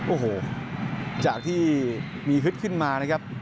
โอ้โหจากที่มีฮึดขึ้นมานะครับ